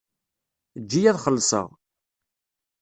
Eǧǧ-iyi ad xelṣeɣ.